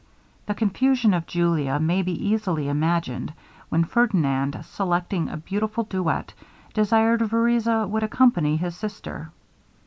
The confusion of Julia may be easily imagined, when Ferdinand, selecting a beautiful duet, desired Vereza would accompany his sister.